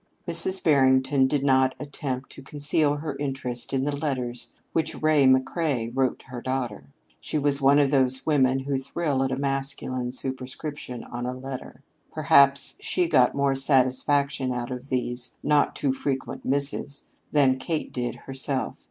Mrs. Barrington did not attempt to conceal her interest in the letters which Ray McCrea wrote her daughter. She was one of those women who thrill at a masculine superscription on a letter. Perhaps she got more satisfaction out of these not too frequent missives than Kate did herself.